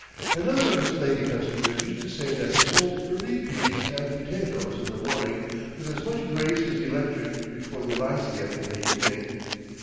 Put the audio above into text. Another of his lady customers used to say that he sold early peas and potatoes in the morning with as much grace as he lectured before the Lyceum in the evening.